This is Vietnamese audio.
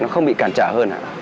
nó không bị cản trở hơn hả